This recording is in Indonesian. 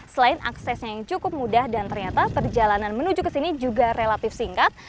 selain aksesnya yang cukup mudah dan ternyata perjalanan menuju ke sini juga relatif singkat